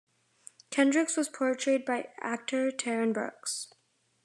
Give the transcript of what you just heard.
Kendricks was portrayed by actor Terron Brooks.